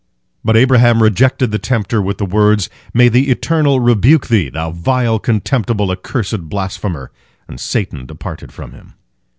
But Abraham rejected the tempter with the words, "May the Eternal rebuke thee, thou vile, contemptible, accursed blasphemer!" and Satan departed from him.